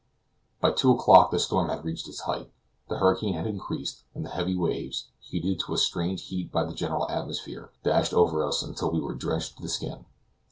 By two o'clock the storm had reached its height. The hurricane had increased, and the heavy waves, heated to a strange heat by the general temperature, dashed over us until we were drenched to the skin.